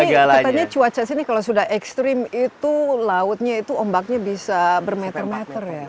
tapi katanya cuaca sini kalau sudah ekstrim itu lautnya itu ombaknya bisa bermeter meter ya